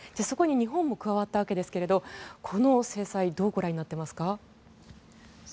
そこに日本も加わったわけですがこの制裁どうご覧になっていますか？